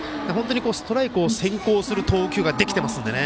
ストライクを先行する投球ができていますのでね。